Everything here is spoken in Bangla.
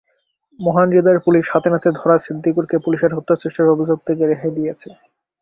মহান হৃদয়ের পুলিশ হাতেনাতে ধরা সিদ্দিকুরকে পুলিশকে হত্যাচেষ্টার অভিযোগ থেকে রেহাই দিয়েছে।